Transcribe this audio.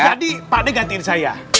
jadi pak ade gantiin saya